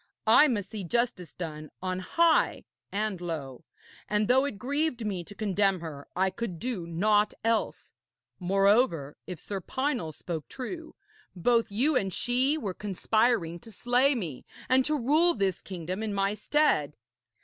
'I must see justice done on high and low, and though it grieved me to condemn her, I could do naught else. Moreover, if Sir Pinel spoke true, both you and she were conspiring to slay me and to rule this kingdom in my stead.'